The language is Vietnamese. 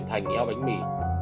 cơ thể chuyển thành eo bánh mì